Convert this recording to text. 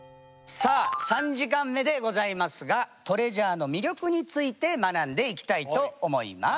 さあ３時間目でございますがについて学んでいきたいと思います！